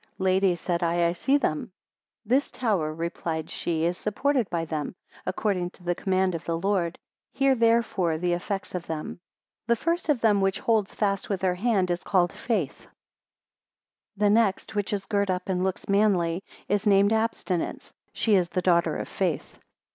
Lady, said I, I see them. 84 This tower, replied she, is supported by them, according to the command of the Lord: hear therefore the effects of them. 85 The first of them, which holds fast with her hand, is called Faith; The next, which is girt up, and looks manly, is named Abstinence: she is the daughter of Faith.